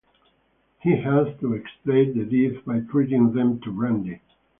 He has to expiate the deed by treating them to brandy.